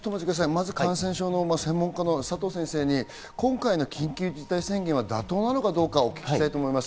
まず感染症の専門家の佐藤先生に今回の緊急事態宣言は妥当なのかどうかお聞きしたいと思います。